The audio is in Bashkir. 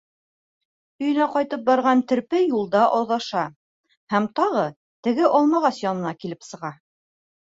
Өйөнә ҡайтып барған терпе юлда аҙаша һәм тағы теге Алмағас янына килеп сыға.